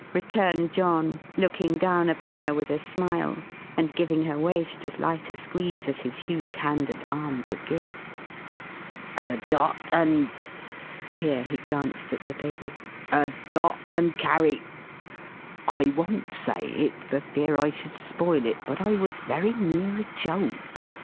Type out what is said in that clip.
returned John, looking down upon her with a smile, and giving her waist as light a squeeze as his huge hand and arm could give. "A dot and" here he glanced at the Baby "a dot and carry I won't say it, for fear I should spoil it; but I was very near a joke.